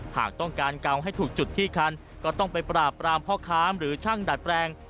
หากต้องการเกาให้ถูกจุดที่คันก็ต้องไปปราบปรามพ่อค้าหรือช่างดัดแปลง